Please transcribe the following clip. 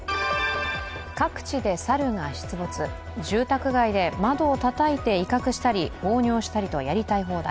各地で猿が出没、住宅街で窓をたたいて威嚇したり、放尿したりと、やりたい放題。